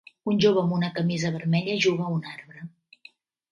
Un jove amb una camisa vermella juga a un arbre.